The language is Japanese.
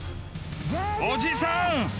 おじさん！